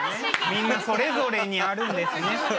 みんなそれぞれにあるんですね。